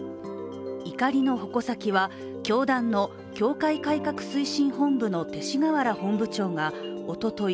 怒りの矛先は、教団の教会改革推進本部の勅使河原本部長がおととい